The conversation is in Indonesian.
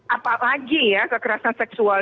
apalagi ya kekerasan seksual